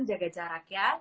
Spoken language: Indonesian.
jaga jarak ya